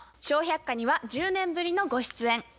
「笑百科」には１０年ぶりのご出演。